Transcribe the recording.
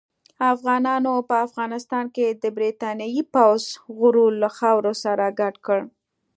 افغانانو په افغانستان کې د برتانیې پوځ غرور له خاورو سره ګډ کړ.